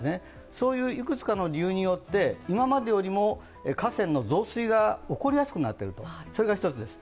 そういういくつかの理由によって、今までよりも河川の増水が起こりやすくなっている、それが１つです。